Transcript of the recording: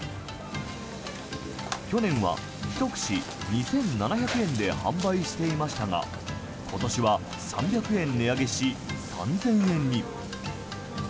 去年は１串２７００円で販売していましたが今年は３００円値上げし３０００円に。